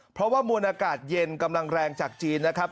เพราะว่ามวลอากาศเย็นกำลังแรงจากจีนนะครับ